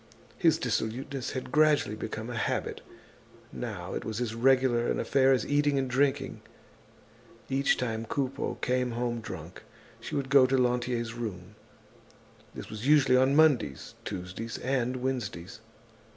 His dissoluteness had gradually become a habit. Now it was as regular an affair as eating and drinking. Each time Coupeau came home drunk, she would go to Lantier's room. This was usually on Mondays, Tuesdays and Wednesdays.